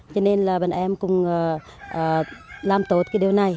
cho nên là bọn em cũng làm tốt cái điều này